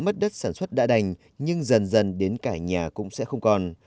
mất đất sản xuất đã đành nhưng dần dần đến cả nhà cũng sẽ không còn